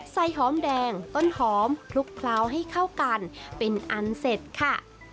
หอมแดงต้นหอมคลุกเคล้าให้เข้ากันเป็นอันเสร็จค่ะ